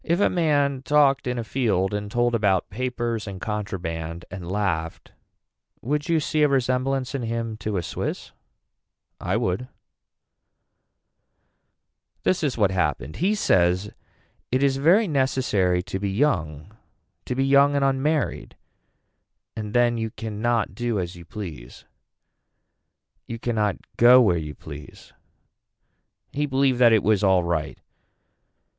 If a man talked in a field and told about papers and contraband and laughed would you see a resemblance in him to a Swiss. I would. This is what happened. He says it is very necesssary to be young to be young and unmarried and then you can not do as you please. You can not go where you please. He believed that it was alright.